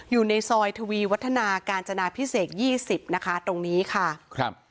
อยู่ในซอยทวีวัฒนาการจนาพิเศษยี่สิบนะคะตรงนี้ค่ะครับ